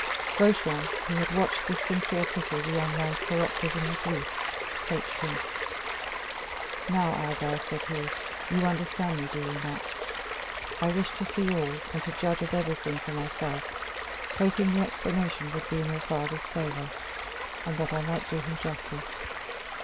Beauchamp, who had watched with sincere pity the young man's paroxysm of grief, approached him. "Now, Albert," said he, "you understand me—do you not? I wished to see all, and to judge of everything for myself, hoping the explanation would be in your father's favor, and that I might do him justice.